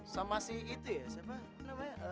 sama si itu ya siapa namanya